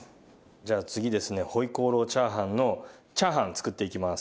じゃあ次ですね回鍋肉チャーハンのチャーハン作っていきます。